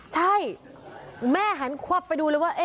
ใช่แม่หันควับไปดูเลยว่า